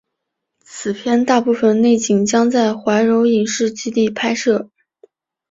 此片大部分内景将在怀柔影视基地拍摄。